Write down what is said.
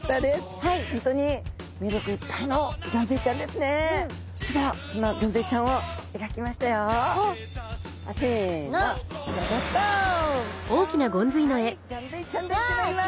はいギョンズイちゃんでギョざいます。